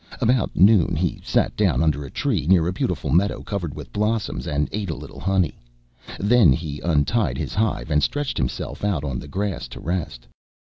About noon he sat down under a tree, near a beautiful meadow covered with blossoms, and ate a little honey. Then he untied his hive and stretched himself out on the grass to rest.